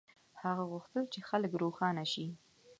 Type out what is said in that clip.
هغه غوښتل چې خلک روښانه شي.